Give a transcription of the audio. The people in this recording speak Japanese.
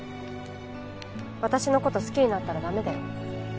私の事好きになったら駄目だよ。